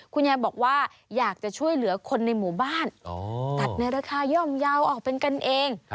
คุณยายบอกว่าอยากจะช่วยเหลือคนในหมู่บ้านตัดในราคาย่อมเยาว์ออกเป็นกันเอง